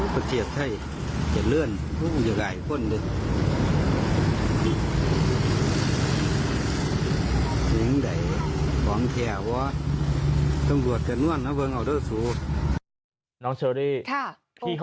พี่เค้าคุณบอกว่าก็ผมอ่ะสะดวกแบบนี้